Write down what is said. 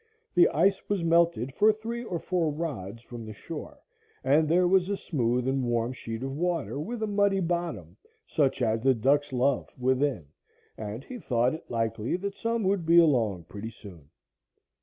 The ice was melted for three or four rods from the shore, and there was a smooth and warm sheet of water, with a muddy bottom, such as the ducks love, within, and he thought it likely that some would be along pretty soon.